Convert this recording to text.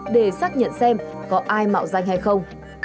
để xác nhận xem có ai mạo danh hay không